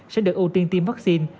sẽ được ưu tiên tiêm vaccine